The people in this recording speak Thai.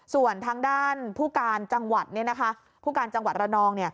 ส่วนทางด้านผู้การจังหวัดผู้การจังหวัดระนอง